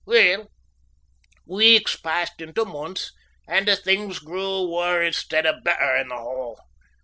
Weel, weeks passed into months and a' things grew waur instead o' better in the Hall.